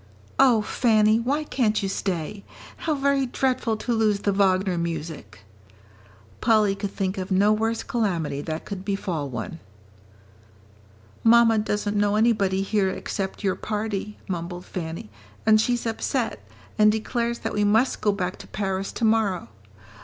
"Oh, Fanny, why can't you stay? How very dreadful to lose the Wagner music!" Polly could think of no worse calamity that could befall one. "Mamma doesn't know anybody here except your party," mumbled Fanny, "and she's upset, and declares that we must go back to Paris to morrow.